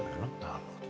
なるほど。